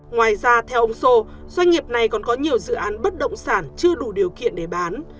ngoài ra theo ông sô doanh nghiệp này còn có nhiều dự án bất động sản chưa đủ điều kiện để bán